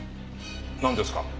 なんですか？